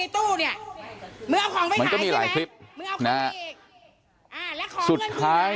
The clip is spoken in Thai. ผมให้โอกาสมึงกี่ครั้งอาวอน